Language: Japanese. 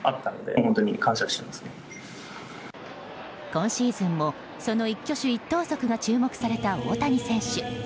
今シーズンもその一挙手一投足が注目された大谷選手。